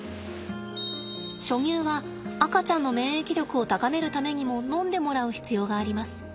初乳は赤ちゃんの免疫力を高めるためにも飲んでもらう必要があります。